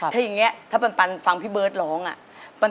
ถ้าอย่างนี้ถ้าปันฟังพี่เบิร์ตร้องอะ